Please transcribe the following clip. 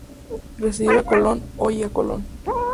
Recibe a Colón; oye a Colón.